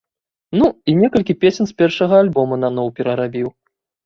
Ну, і некалькі песень з першага альбома наноў перарабіў.